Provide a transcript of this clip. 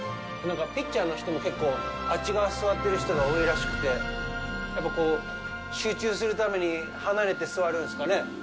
ピッチャーの人も、結構あっち側へ座ってる人が多いらしくて、集中するために離れて座るんですかね。